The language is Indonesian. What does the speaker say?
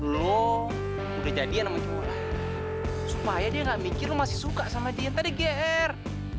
lo udah jadian sama curah supaya dia nggak mikir lo masih suka sama dia yang tadi gr